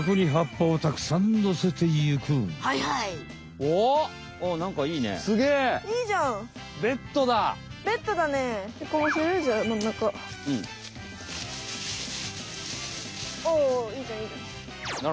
おおいいじゃんいいじゃん。